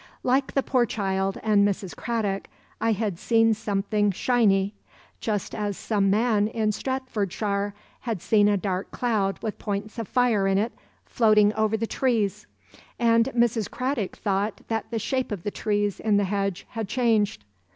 Like the poor child and Mrs. Cradock, I had seen something shiny, just as some man in Stratfordshire had seen a dark cloud with points of fire in it floating over the trees. And Mrs. Cradock thought that the shape of the trees in the hedge had changed.